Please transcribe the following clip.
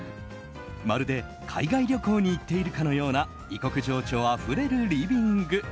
まるで海外旅行に行っているかのような異国情緒あふれるリビング。